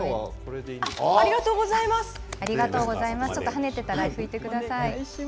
跳ねていたら拭いてください。